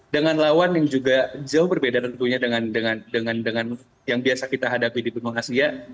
dengan lawan yang juga jauh berbeda tentunya dengan dengan dengan dengan yang biasa kita hadapi di penuh asia